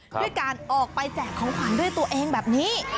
ด้วยการออกไปแจกของขวัญด้วยตัวเองแบบนี้